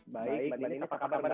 baik mbak nini apa kabar mbak